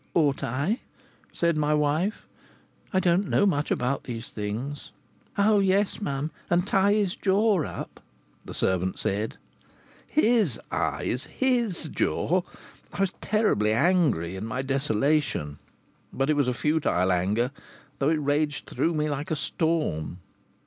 "Ought I?" said my wife. "I don't know much about these things." "Oh, yes, mum. And tie his jaw up," the servant said. His eyes! His jaw! I was terribly angry, in my desolation. But it was a futile anger, though it raged through me like a storm.